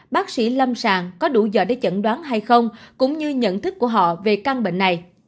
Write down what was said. bác sĩ lâm sàng có đủ giờ để chẩn đoán hay không cũng như nhận thức của họ về căn bệnh này